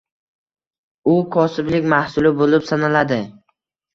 U kosiblik mahsuli bo’lib sanaladi.